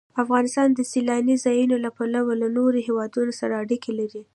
افغانستان د سیلانی ځایونه له پلوه له نورو هېوادونو سره اړیکې لري.